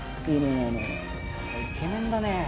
いいね。